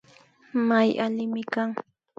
May allimi kan